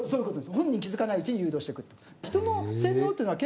本人気付かないうちに誘導してくる。